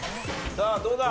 さあどうだ？